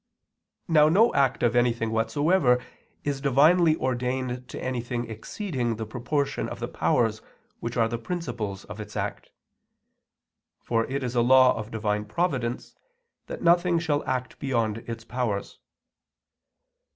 Now no act of anything whatsoever is divinely ordained to anything exceeding the proportion of the powers which are the principles of its act; for it is a law of Divine providence that nothing shall act beyond its powers.